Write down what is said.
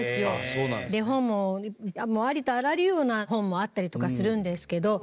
で本もありとあらゆるような本もあったりとかするんですけど。